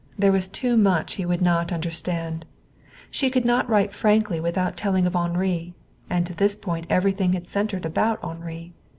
There was too much he would not understand. She could not write frankly without telling of Henri, and to this point everything had centered about Henri.